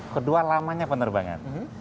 kedua lamanya penerbangan